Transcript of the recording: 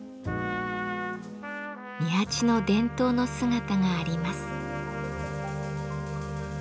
二八の伝統の姿があります。